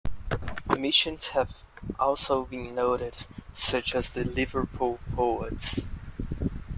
Omissions have also been noted, such as the Liverpool poets.